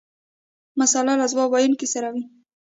مساله له ځواب ویونکي سره وي.